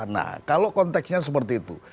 nah kalau konteksnya seperti itu